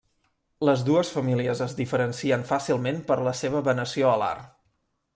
Les dues famílies es diferencien fàcilment per la seva venació alar.